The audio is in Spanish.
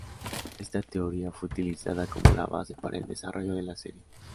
Esta teoría fue utilizada como base para el desarrollo de la serie.